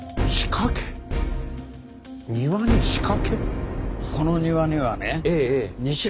庭に仕掛け？